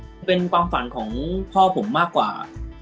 มันเป็นความฝันของพ่อผมมากกว่า